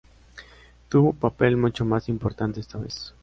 Tuvo un papel mucho más importante esta vez.